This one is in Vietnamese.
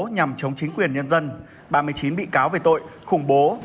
nhằm chống chính quyền nhân dân ba mươi chín bị cáo về tội khủng bố